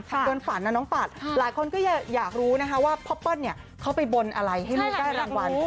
เกินฝันนะน้องปัดหลายคนก็อยากรู้นะคะว่าพ่อเปิ้ลเนี่ยเขาไปบนอะไรให้ลูกได้รางวัล